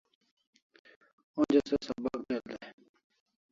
Onja se sabak del dai